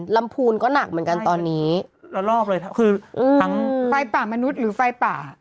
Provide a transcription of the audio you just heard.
ลำพูนก็หนักเหมือนกันตอนนี้คือทั้งไฟป่ามนุษย์หรือไฟป่า